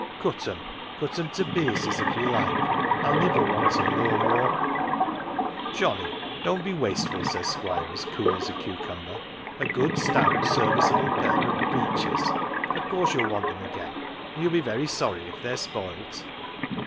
Cut 'em cut 'em t' pieces, if ye like I'll niver want 'em no more ?' "'Johnnie, don't be wasteful,' says Squire, as cool as a cucumber. ' A good, stout, serviceable pair of breeches ! Of course you'll want them again, and you'll be very sorry if they're spoilt.'